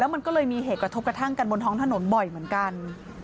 มันก็เลยมีเหตุกระทบกระทั่งกันบนท้องถนนบ่อยเหมือนกัน